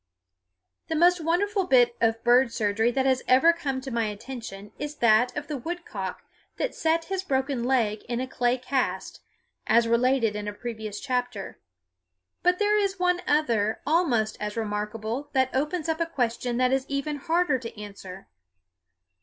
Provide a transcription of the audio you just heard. The most wonderful bit of bird surgery that has ever come to my attention is that of the woodcock that set his broken leg in a clay cast, as related in a previous chapter; but there is one other almost as remarkable that opens up a question that is even harder to answer.